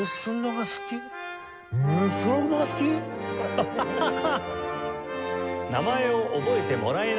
ハハハハ！